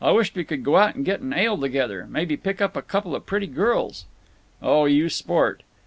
Wished we could go out and get an ale together. Maybe pick up a couple of pretty girls." "Oh, you sport!